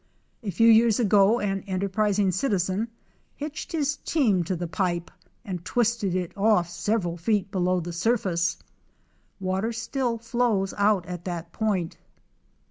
A few years ago an enterprising citizen hitched his team to the pipe and twisted it ofiF several feet below the surface. Water still flows out at that point.